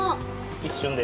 一瞬で。